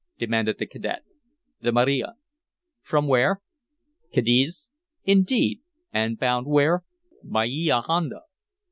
demanded the cadet. "The Maria." "From where?" "Cadiz." "Indeed! And bound where?" "Bahia Honda."